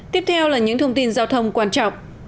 tiếp theo là những thông tin giao thông quan trọng